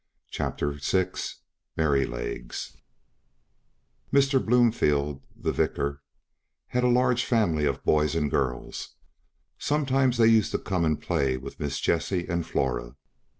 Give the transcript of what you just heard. CHAPTER VI MERRYLEGS Mr. Blomefield, the vicar, had a large family of boys and girls; sometimes they used to come and play with Miss Jessie and Flora.